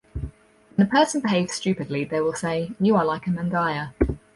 When a person behaves stupidly they will say You are like a Mandaya.